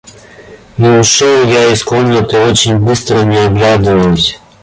И ушел я из комнаты очень быстро, не оглядываясь.